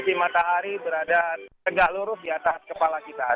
si matahari berada tegak lurus di atas kepala kita